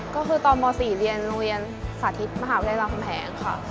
ก็คือตอนม๔เรียนโรงเรียนสาธิตมหาวิทยาลำคำแหงค่ะ